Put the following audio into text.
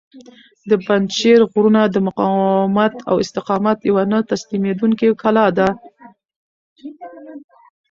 د پنجشېر غرونه د مقاومت او استقامت یوه نه تسلیمیدونکې کلا ده.